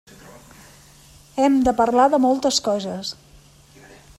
Hem de parlar de moltes coses.